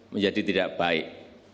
menjadi tidak baik